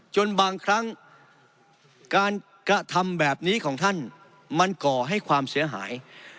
จนบางครั้งการกระทำแบบนี้ของท่านมันก่อให้ความเสียหาย